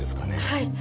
はい。